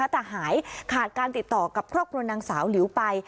แต่หายขาดการติดต่อกับครอบครัวนางสาวหลิวไป